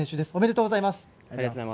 ありがとうございます。